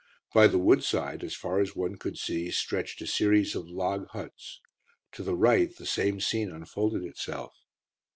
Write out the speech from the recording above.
By the wood side, as far as one could see, stretched a series of log huts. To the right the same scene unfolded itself.